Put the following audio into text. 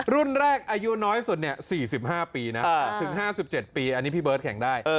รุ่นแรกอายุน้อยสุด๔๕ปีนะถึง๕๗ปีอันนี้พี่เบิร์ตแข่งได้